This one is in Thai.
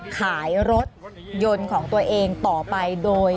ขายรถยนต์ของตัวเองต่อไปโดย